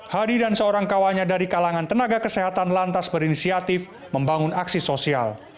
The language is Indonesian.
hadi dan seorang kawannya dari kalangan tenaga kesehatan lantas berinisiatif membangun aksi sosial